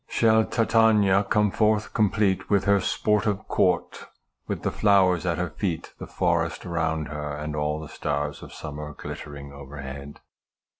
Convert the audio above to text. Shall TITANIA come forth complete with her sportive court, with the flowers at her feet, the forest around her, and all the stars of summer glittering overhead